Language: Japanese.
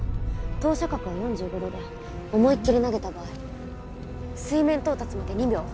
投射角は４５度で思いっ切り投げた場合水面到達まで２秒。